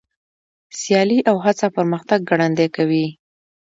سیالي او هڅه پرمختګ ګړندی کوي.